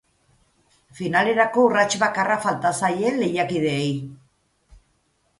Finalerako urrats bakarra falta zaie lehiakideei.